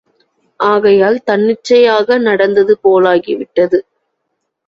ஆதலால் தன்னிச்சையாக நடந்தது போலாகி விட்டது.